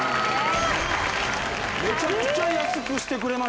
めちゃくちゃ安くしてくれましたね